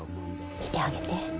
見てあげて。